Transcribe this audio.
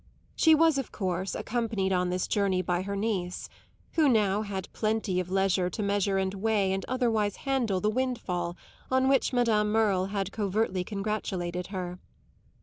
She was of course accompanied on this journey by her niece, who now had plenty of leisure to measure and weigh and otherwise handle the windfall on which Madame Merle had covertly congratulated her.